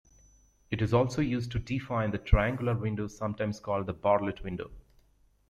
It is also used to define the triangular window sometimes called the Bartlett window.